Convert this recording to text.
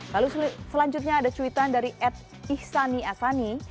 lalu selanjutnya ada cuitan dari ad ihsani asani